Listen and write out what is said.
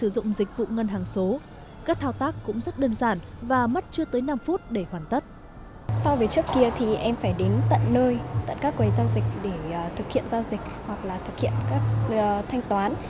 để thực hiện giao dịch hoặc là thực hiện các thanh toán